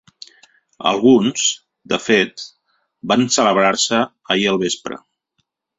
Alguns, de fet, van celebrar-se ahir al vespre.